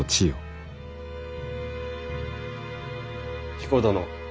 彦殿。